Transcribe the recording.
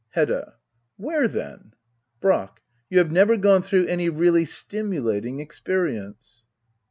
Hedda. Where, then ? Brack. You have never gone through any really stimu lating experience.